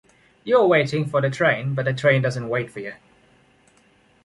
You are waiting for the train, but the train doesn’t wait for you.